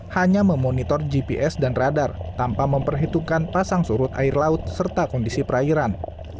hanya memonitor gps dan radar tanpa memperhitungkan pasang surut air laut serta kondisi perairan